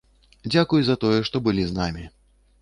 Дзякуй за тое, што былі з намі.